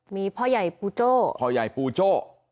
มีพ่อใหญ่ปูโจ้